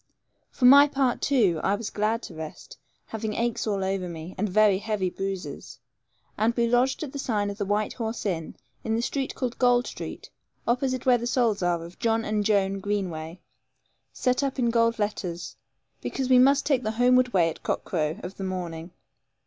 For my part, too, I was glad to rest, having aches all over me, and very heavy bruises; and we lodged at the sign of the White Horse Inn, in the street called Gold Street, opposite where the souls are of John and Joan Greenway, set up in gold letters, because we must take the homeward way at cockcrow of the morning.